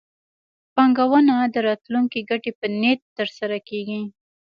پانګونه د راتلونکي ګټې په نیت ترسره کېږي.